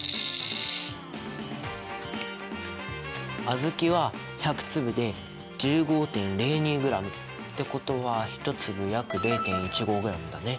小豆は１００粒で１５．０２ｇ。ってことは１粒約０．１５ｇだね。